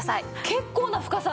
結構な深さ。